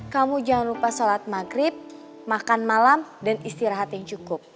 kamu jangan lupa sholat maghrib makan malam dan istirahat yang cukup